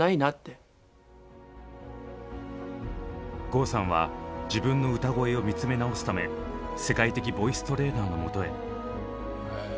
郷さんは自分の歌声を見つめ直すため世界的ボイストレーナーのもとへ。